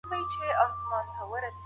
د مسلمانانو عيبونه بايد پټ وساتل سي.